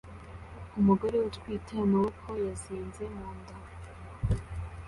Umugore utwite amaboko yazinze mu nda